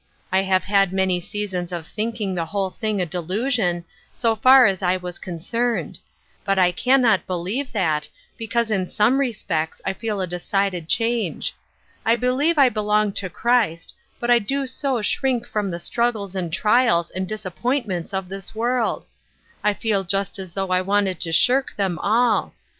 I have had my seasons of think ing the whole thing a delusion, so far as I was concerned ; but I can not believe that, because in some respects I feel a decided change. 1 believe I belong to Christ ; but I do so shrink from the struggles and trials and disappoint ments of this world I I feel just as* though I wanted to shirk them all.